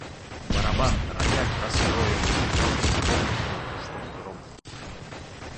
Барабан, рояль раскроя ли, но чтоб грохот был, чтоб гром.